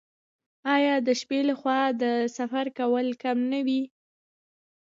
آیا د شپې لخوا د سفر کول کم نه وي؟